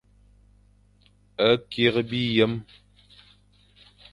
Kikh biyem.